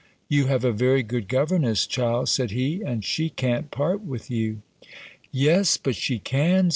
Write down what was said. "You have a very good governess, child," said he; "and she can't part with you." "Yes, but she can.